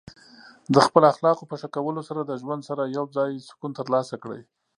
د خپل اخلاقو په ښه کولو سره د ژوند سره یوځای سکون ترلاسه کړئ.